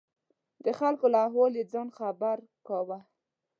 د خلکو له احواله یې ځان خبر کاوه.